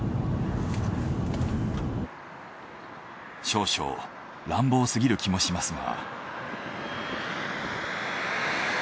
少々乱暴すぎる気もしますが。